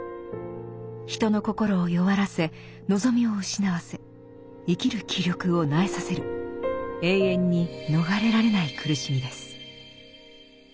人の心を弱らせ望みを失わせ生きる気力を萎えさせる永遠に逃れられない苦しみです。